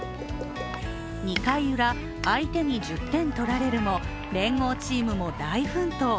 ２回ウラ、相手に１０点取られるも連合チームも大奮闘。